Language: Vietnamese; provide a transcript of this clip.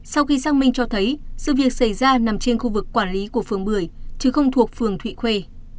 sau khi xác minh cho thấy sự việc xảy ra nằm trên khu vực quản lý của phường bưởi chứ không thuộc phường thụy khuê